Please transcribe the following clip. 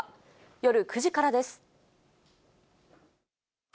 夜９時からです。